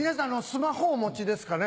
スマホお持ちですかね？